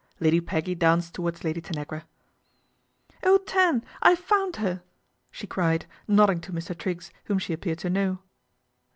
Lady Peggy danced towards Lady Tanagn " Oh, Tan, I've found her !" she cried, nodding t Mr. Triggs, whom she appeared to know.